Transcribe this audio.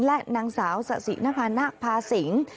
และนางสาวสะสินภาษิงค์